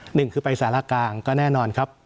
หนึ่งคือไปสารกลางก็แน่นอนครับ